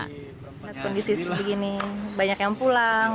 kondisi sebegini banyak yang pulang